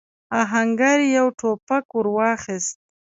آهنګر يو ټوپک ور واخيست.